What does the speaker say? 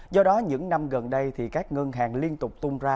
do đó những năm gần đây thì các ngân hàng liên tục tung ra